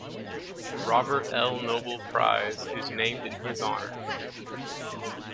The Robert L. Noble Prize is named in his honour.